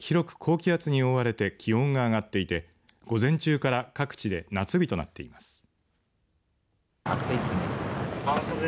きょうの県内は広く高気圧に覆われて気温が上がっていて午前中から各地で夏日となっています。